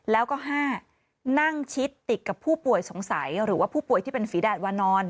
แล้วก็๕นั่งชิดติดกับผู้ป่วยสงสัยหรือว่าผู้ป่วยที่เป็นฝีดาดวานอน